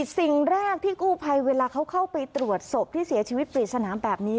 สิ่งแรกที่กู้ภัยเวลาเขาเข้าไปตรวจศพที่เสียชีวิตปริศนาแบบนี้